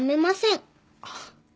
あっ。